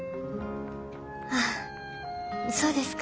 ああそうですか。